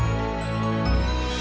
ini pasti kedua orang iseng